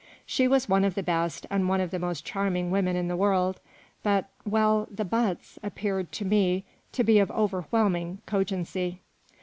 She was one of the best and one of the most charming women in the world; but well, the "buts" appeared to me to be of overwhelming cogency.